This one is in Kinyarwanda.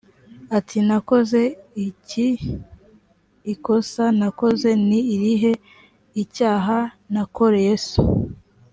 ati nakoze iki d ikosa nakoze ni irihe icyaha nakoreye so